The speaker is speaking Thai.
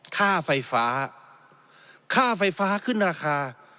ค่าไฟฟ้าค่าไฟฟ้าขึ้นราคา